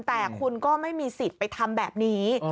แต่คุณก็ไม่มีสิทธิ์ไปทำแบบนี้